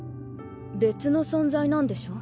別の存在なんでしょ？